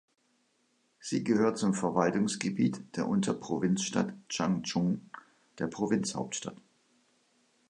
Sie gehört zum Verwaltungsgebiet der Unterprovinzstadt Changchun, der Provinzhauptstadt.